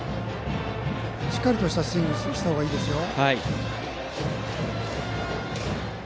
しっかりとしたスイングをしたほうがいいですよ。